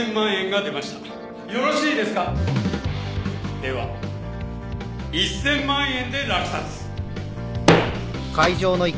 では１，０００万円で落札。